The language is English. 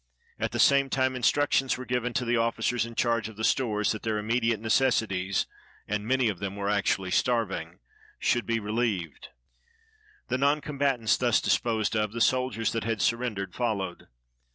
At the same time instructions were given to the ofl&cers in charge of the stores that their immediate ne cessities — and many of them were actually starving — should be reHeved. The non combatants thus disposed of , the soldiers that had surrendered followed.